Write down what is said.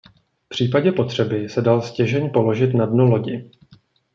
V případě potřeby se dal stěžeň položit na dno lodi.